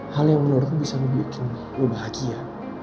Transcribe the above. hal yang menurut gue bisa bikin lo bahagia